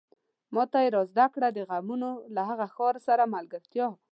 ماته يې را زده کړه د غمونو له هغه ښار سره ملګرتيا